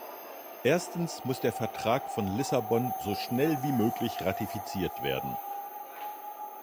Erstens muss der Vertrag von Lissabon so schnell wie möglich ratifiziert werden.